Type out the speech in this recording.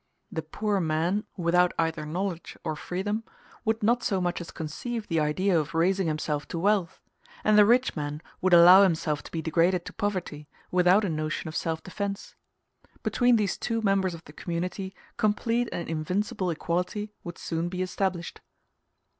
The poor man, without either knowledge or freedom, would not so much as conceive the idea of raising himself to wealth; and the rich man would allow himself to be degraded to poverty, without a notion of self defence. Between these two members of the community complete and invincible equality would soon be established.